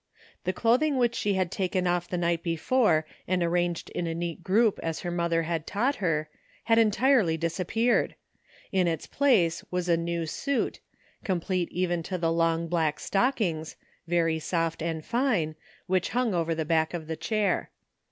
The clothing which she had taken off the night before and arranged in a neat group as her mother had taught her, had entirely disappeared; in its place was a new 225 226 BORROWED TROUBLE. suit, complete even to the long black stockings, very soft and fine, which hung over the back of the chair.